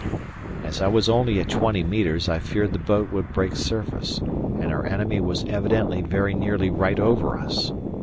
As I was only at twenty metres I feared the boat would break surface, and our enemy was evidently very nearly right over us.